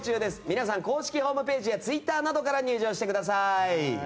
皆さん、公式ホームページやツイッターから入場してください。